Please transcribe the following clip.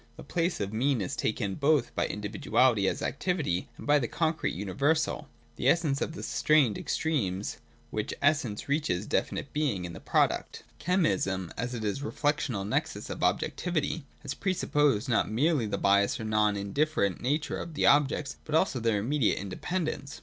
The place of mean is taken both by individuality as activity, and by the concrete universal, the essence of the strained extremes ; which essence reaches definite being in the product. 202.] Chemism, as it is a reflectional nexus of objec tivity, has pre supposed, not merely the bias or non indifferent nature of the objects, but also their immediate independence.